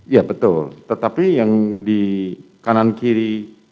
ya betul tetapi yang di kanan kiri